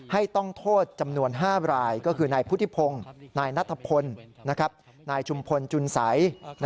ต้องโทษจำนวน๕รายก็คือนายพุทธิพงศ์นายนัทพลนายชุมพลจุนสัย